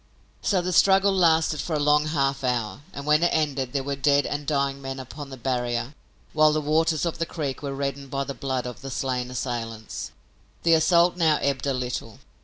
So the struggle lasted for a long half hour, and when it ended there were dead and dying men upon the barrier, while the waters of the creek were reddened by the blood of the slain assailants. The assault now ebbed a little.